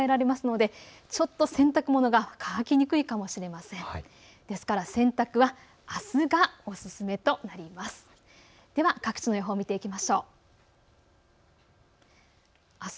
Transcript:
ですから洗濯はあすがおすすめとなります。